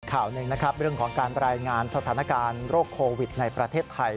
ข่าวหนึ่งนะครับเรื่องของการรายงานสถานการณ์โรคโควิดในประเทศไทย